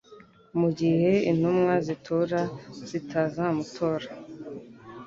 mu gihe intumwa z'itora zitazamutora